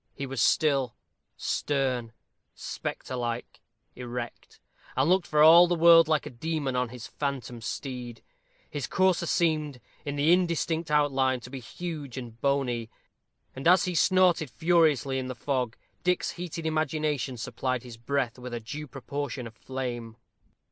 He was still, stern, spectre like, erect; and looked for all the world like a demon on his phantom steed. His courser seemed, in the indistinct outline, to be huge and bony, and, as he snorted furiously in the fog, Dick's heated imagination supplied his breath with a due proportion of flame.